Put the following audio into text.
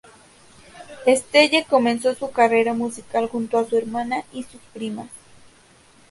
Estelle comenzó su carrera musical junto a su hermana y sus primas.